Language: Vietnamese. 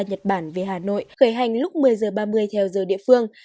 nhật bản về hà nội khởi hành lúc một mươi h ba mươi theo giờ địa phương